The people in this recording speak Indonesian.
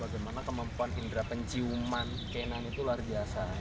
bagaimana kemampuan indera penciuman k sembilan itu luar biasa